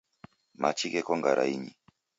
Machi gheko ngarainyi.